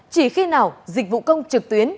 chỉ khi nào dịch vụ công trực tuyến